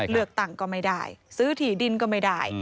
เลือกตั้งก็ไม่ได้ซื้อถี่ดินก็ไม่ได้